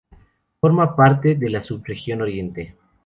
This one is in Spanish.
Forma parte de la subregión Oriente.